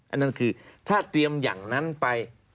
อันนั้นคือถ้าเตรียมอย่างนั้นไป